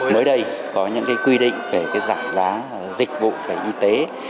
mới đây có những quy định về giảm giá dịch vụ về y tế